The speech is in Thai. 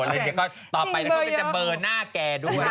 เดี๋ยวเขาจะเบอร์หน้าแกด้วย